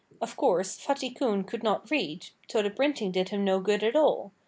Of course, Fatty Coon could not read, so the printing did him no good at all.